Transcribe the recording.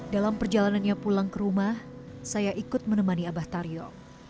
dalam perjalanannya pulang ke rumah saya ikut menemani abah taryo